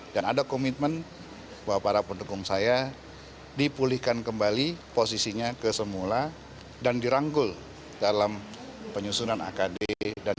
dan ada komitmen bahwa para pendukung saya dipulihkan kembali posisinya kesemula dan diranggul dalam penyusunan akd dan